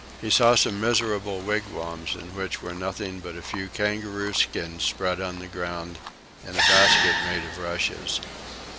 He saw some miserable wigwams, in which were nothing but a few kangaroo skins spread on the ground, and a basket made of rushes.